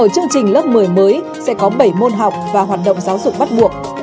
chương trình lớp một mươi mới sẽ có bảy môn học và hoạt động giáo dục bắt buộc